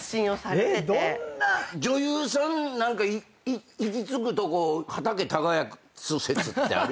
女優さん何か行き着くとこ畑耕す説ってあるよね。